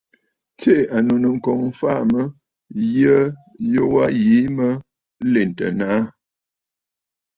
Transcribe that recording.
Tsiʼì ànnù nɨ̂ŋkoŋ, faà mə̀ yə yu wa yìi mə lèntə nàâ.